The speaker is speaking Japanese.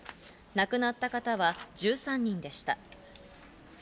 亡くなった方は１３人でした。